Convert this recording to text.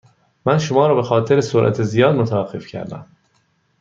من شما را به خاطر سرعت زیاد متوقف کردم.